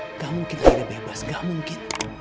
nggak mungkin aida bebas nggak mungkin